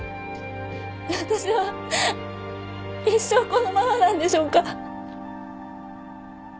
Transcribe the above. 私は一生このままなんでしょうか？